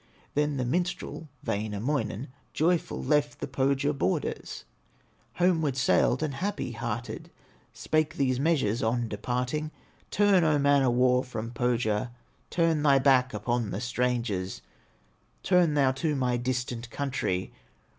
Then the minstrel, Wainamoinen, Joyful, left the Pohya borders, Homeward sailed, and happy hearted, Spake these measures on departing: "Turn, O man of war, from Pohya, Turn thy back upon the strangers, Turn thou to my distant country!